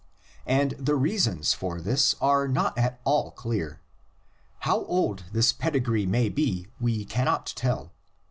And the reasons for this are not at all clear. How old this pedigree may be we cannot tell.